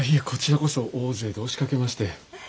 こちらこそ大勢で押しかけまして。